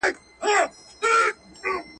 ما په تا کي حق لیدلی آیینې چي هېر مي نه کې ..